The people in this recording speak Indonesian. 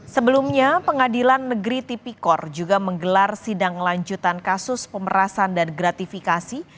sebelumnya pengadilan negeri tipikor juga menggelar sidang lanjutan kasus pemerasan dan gratifikasi